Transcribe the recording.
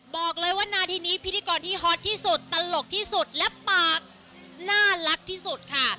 บอกเลยว่านาทีนี้พิธีกรที่ฮอตที่สุดตลกที่สุดและปากน่ารักที่สุดค่ะ